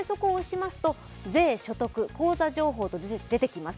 「税・所得・口座情報」と出てきます。